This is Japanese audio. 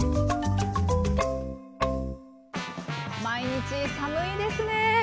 毎日寒いですね。